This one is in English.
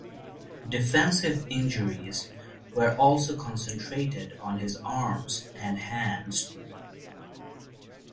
Defensive injuries were also concentrated on his arms and hands.